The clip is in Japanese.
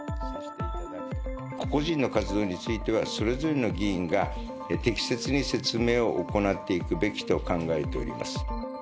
個々人の活動については、それぞれの議員が適切に説明を行っていくべきと考えております。